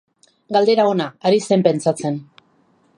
Galdera ona, ari zen pentsatzen.